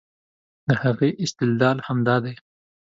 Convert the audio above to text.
د هغې استدلال همدا دی